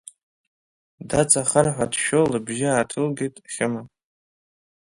Даҵахар ҳәа дшәо лыбжьы ааҭылгеит Хьыма.